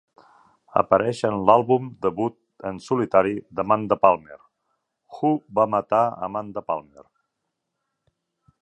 Apareix en l'àlbum debut en solitari d'Amanda Palmer, "Who va matar Amanda Palmer".